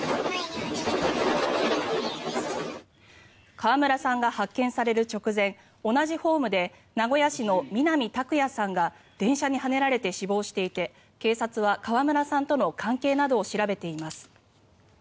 川村さんが発見される直前同じホームで名古屋市の南拓哉さんが電車にはねられて死亡していて警察は川村さんとの関係などを調べています。